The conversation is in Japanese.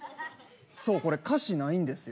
そうこれ歌詞ないんですよ。